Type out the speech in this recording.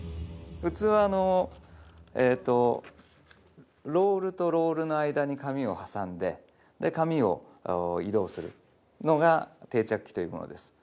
普通はあのえとロールとロールの間に紙をはさんでで紙を移動するのが定着器というものです。